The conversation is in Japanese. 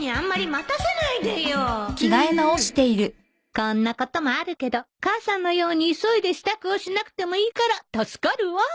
こんなこともあるけど母さんのように急いで支度をしなくてもいいから助かるわ